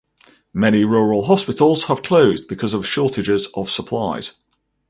Many rural hospitals have closed because of shortages of supplies.